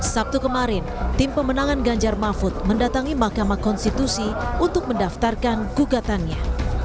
sabtu kemarin tim pemenangan ganjar mahfud mendatangi mahkamah konstitusi untuk mendaftarkan gugatannya